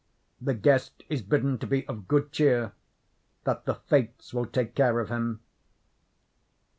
The guest is bidden to be of good cheer—that the fates will take care of him.